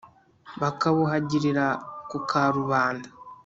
Bakabuhagirira ku karubanda